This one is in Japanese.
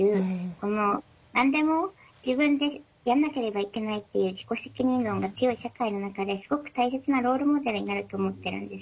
この何でも自分でやらなければいけないっていう自己責任論が強い社会の中ですごく大切なロールモデルになると思っているんです。